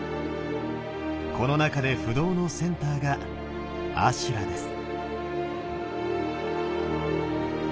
この中で不動のセンターが阿修羅です。